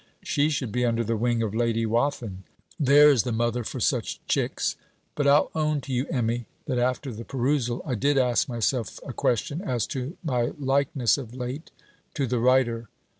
She should be under the wing of Lady Wathin. There is the mother for such chicks! But I'll own to you, Emmy, that after the perusal, I did ask myself a question as to my likeness of late to the writer.